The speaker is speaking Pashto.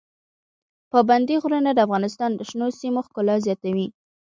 پابندي غرونه د افغانستان د شنو سیمو ښکلا زیاتوي.